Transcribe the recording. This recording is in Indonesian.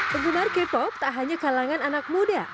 penggemar k pop tak hanya kalangan anak muda